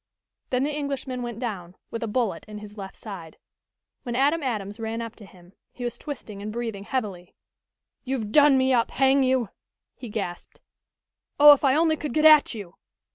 Then the Englishman went down, with a bullet in his left side. When Adam Adams ran up to him he was twisting and breathing heavily. "You've done me up, hang you!" he gasped. "Oh, if I only could get at you!"